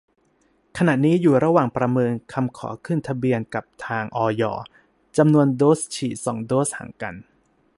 ขณะนี้อยู่ระหว่างประเมินคำขอขึ้นทะเบียนกับทาง อย จำนวนโดส ฉีด สอง โดส ห่างกัน